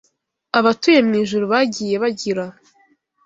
Abatuye mu ijuru bagiye bagira